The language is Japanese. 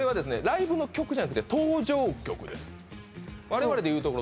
ライブの曲じゃなくて登場曲です